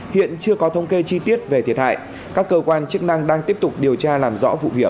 hiện chưa có thông kê chi tiết về thiệt hại các cơ quan chức năng đang tiếp tục điều tra làm rõ vụ việc